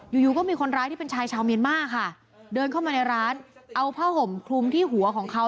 อยู่อยู่ก็มีคนร้ายที่เป็นชายชาวเมียนมาค่ะเดินเข้ามาในร้านเอาผ้าห่มคลุมที่หัวของเขา